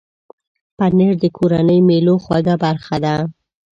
پنېر د کورنۍ مېلو خوږه برخه ده.